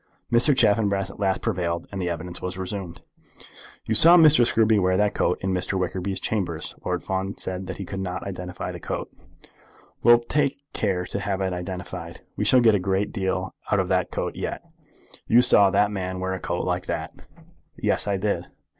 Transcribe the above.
Mr. Chaffanbrass at last prevailed, and the evidence was resumed. "You saw Mr. Scruby wear that coat in Mr. Wickerby's chambers." Lord Fawn said that he could not identify the coat. "We'll take care to have it identified. We shall get a great deal out of that coat yet. You saw that man wear a coat like that." "Yes; I did."